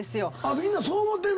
みんなそう思うてんの⁉